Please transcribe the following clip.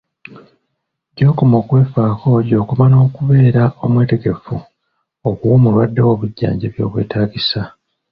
Gy'okoma okwefaako gy'okoma n'okubeera omwetegefu okuwa omulwadde wo obujjanjabi obwetaagisa